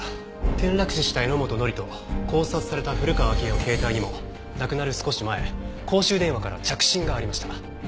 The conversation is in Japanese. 転落死した榎本紀人絞殺された古河章江の携帯にも亡くなる少し前公衆電話から着信がありました。